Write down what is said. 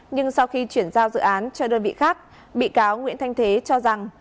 nhưng sau khi chuyển giao dự án cho đơn vị khác bị cáo nguyễn thanh thế cho rằng